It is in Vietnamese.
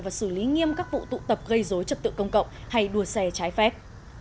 và xử lý nghiêm các vụ tụ tập gây dối trật tự công cộng hay đua xe trái phép